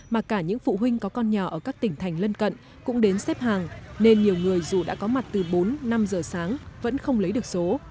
mà cả những phụ huynh có con nhỏ ở các tỉnh thành lân cận cũng đến xếp hàng nên nhiều người dù đã có mặt từ bốn năm giờ sáng vẫn không lấy được số